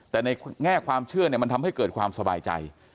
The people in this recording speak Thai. แต่ในแง่ความเชื่อมันทำให้เกิดความสบายใจ